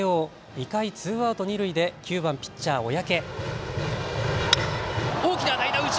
２回、ツーアウト二塁で９番・ピッチャー小宅。